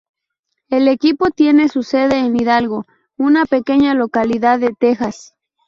El equipo tiene su sede en Hidalgo, una pequeña localidad de Texas.